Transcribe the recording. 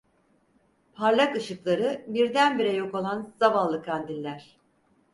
Parlak ışıkları birdenbire yok olan zavallı kandiller…